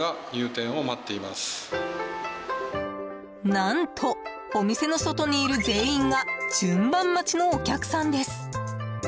何と、お店の外にいる全員が順番待ちのお客さんです。